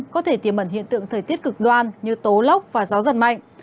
có thể tìm ẩn hiện tượng thời tiết cực đoan như tố lóc và gió giật mạnh